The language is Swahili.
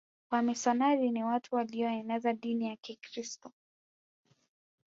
Wamisionari ni watu walioeneza dini ya kikiristo